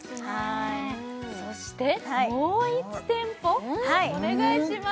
そしてもう１店舗お願いします